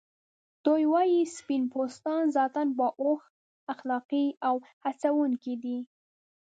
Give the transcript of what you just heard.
دوی وايي سپین پوستان ذاتاً باهوښ، اخلاقی او هڅونکي دي.